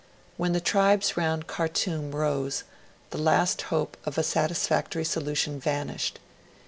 When the tribes round Khartoum rose, the last hope of a satisfactory solution vanished.